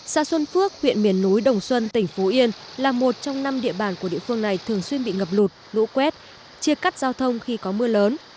xã xuân phước huyện miền núi đồng xuân tỉnh phú yên là một trong năm địa bàn của địa phương này thường xuyên bị ngập lụt lũ quét chia cắt giao thông khi có mưa lớn